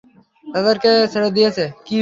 তাদেরকে কে ছেড়ে দিয়েছে?